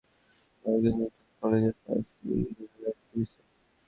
পরদিন লাশের প্রথম ময়নাতদন্ত করেন কুমিল্লা মেডিকেল কলেজের ফরেনসিক বিভাগের একজন চিকিৎসক।